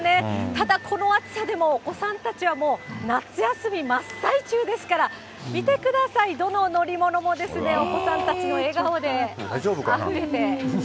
ただ、この暑さでもお子さんたちはもう夏休み真っ最中ですから、見てください、どの乗り物もですね、お子さんたちの笑顔であふれて。